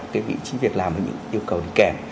cái vị trí việc làm và những yêu cầu kèm